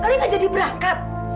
kalian gak jadi berangkat